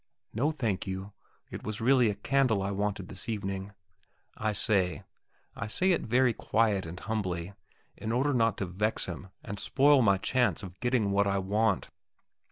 "No, thank you, it was really a candle I wanted this evening," I say. I say it very quietly and humbly, in order not to vex him and spoil my chance of getting what I want.